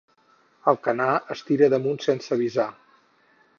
Alcanar es tira damunt sense avisar.